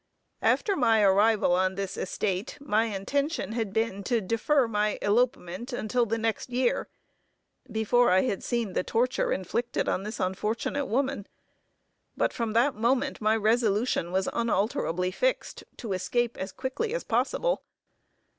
After my arrival on this estate, my intention had been to defer my elopement until the next year, before I had seen the torture inflicted on this unfortunate woman; but from that moment my resolution was unalterably fixed, to escape as quickly as possible.